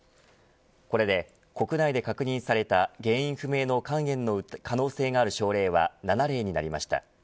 これで国内で確認された原因不明の肝炎の可能性がある症例は７例になりました。